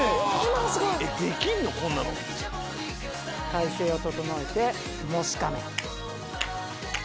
体勢を整えてもしかめ。